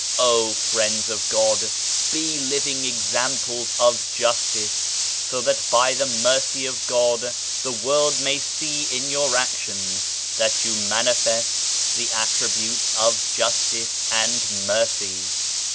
Oh Friends of God, be living examples of Justice 1 So that by the Mercy of God, the world may see in your actions that you manifest the attributes of Justice and Mercy.